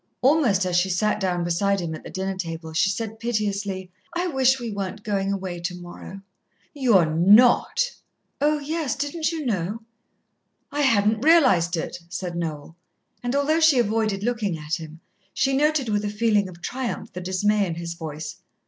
Almost as she sat down beside him at the dinner table, she said piteously, "I wish we weren't going away tomorrow." "You're not?" "Oh, yes. Didn't you know?" "I hadn't realized it," said Noel, and although she avoided looking at him, she noted with a feeling of triumph the dismay in his voice.